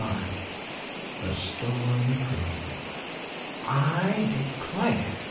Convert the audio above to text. IX THE STOLEN CREAM "I DECLARE!"